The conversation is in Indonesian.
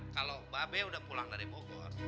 kalo babi udah pulang dari bogor